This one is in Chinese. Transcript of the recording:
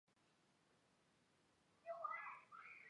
白栎为壳斗科栎属的植物。